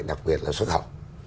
đặc biệt là xuất khẩu